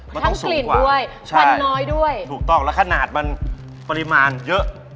มันไม่ทูบธรรมดา